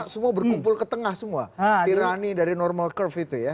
semua berkumpul ke tengah semua tirani dari normal curve itu ya